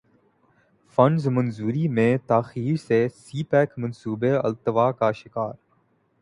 funds منظوری میں تاخیر سے سی پیک منصوبے التوا کا شکار